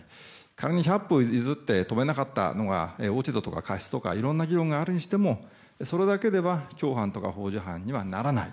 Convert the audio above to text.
仮に百歩譲って止めなかったのが落ち度とか過失とかいろんな議論があるにしてもそれだけでは共犯とか幇助犯にはならない。